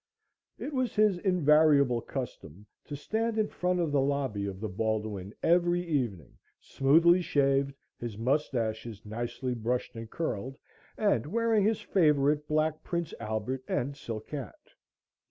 It was his invariable custom to stand in front of the lobby of the Baldwin every evening, smoothly shaved, his moustaches nicely brushed and curled, and wearing his favorite black Prince Albert and silk hat.